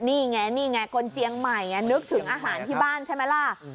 นี่ไงนี่ไงคนเจียงใหม่นึกถึงอาหารที่บ้านใช่ไหมล่ะ